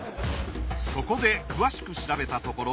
そこで詳しく調べたところ